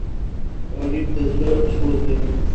غریب د زړه سوز لري